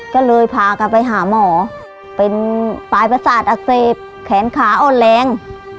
ก็เลยพากันไปหาหมอเป็นปลายประสาทอักเสบแขนขาอ่อนแรง